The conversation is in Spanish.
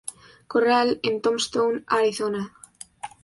Corral, en Tombstone, Arizona.